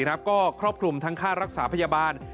ก็ครอบคลุมทั้งค่ารักษาพยาบาล